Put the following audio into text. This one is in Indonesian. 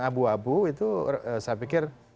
abu abu itu saya pikir